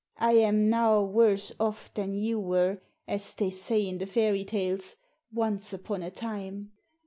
I am now worse off than you were, as they say in the fairy tales, once upon a time."